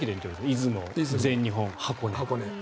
出雲、全日本、箱根。